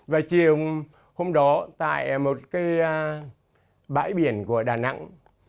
và chiều hôm đó tại một cái bãi biển của đà nẵng